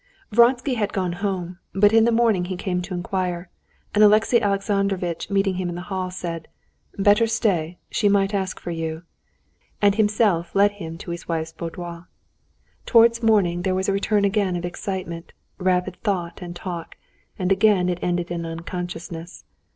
Vronsky had gone home, but in the morning he came to inquire, and Alexey Alexandrovitch meeting him in the hall, said: "Better stay, she might ask for you," and himself led him to his wife's boudoir. Towards morning, there was a return again of excitement, rapid thought and talk, and again it ended in unconsciousness.